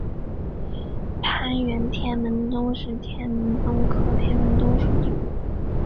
攀援天门冬是天门冬科天门冬属的植物。